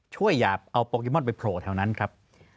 ช่วยหยาบเอาโปรแกมอนไปโผล่แถวนั้นครับ